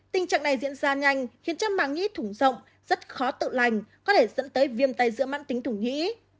tình trạng này diễn ra nhanh khiến cho mảng nghĩ thủng rộng rất khó tự lành có thể dẫn tới viêm tay giữa mắt tính thủng nghĩ